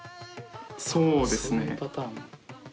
そうですね。